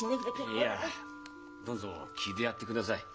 いやどうぞ聞いてやってください。